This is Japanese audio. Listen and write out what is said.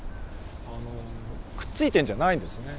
くっついてんじゃないんですね。